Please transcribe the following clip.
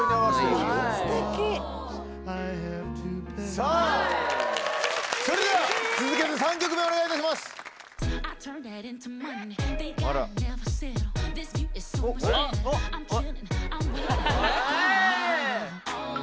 さぁそれでは続けて３曲目お願いいたします。あら。あっ。